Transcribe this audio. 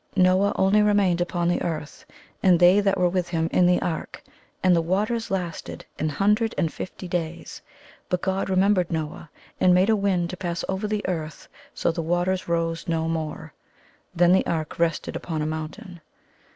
Noah only remained upon the earth and they that were with him in the ark. And the waters lasted an hundred and fifty days. But God remembered Noah and made a wind to pass over the earth so the waters rose no more. Then the ark rested upon a mountain.